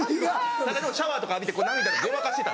だけどシャワーとか浴びて涙ごまかしてた。